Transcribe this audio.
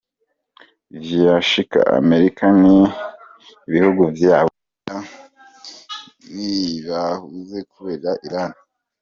Vyoshika Amerika n'ibihugu vya bulaya ntibahuze kubera Irani?.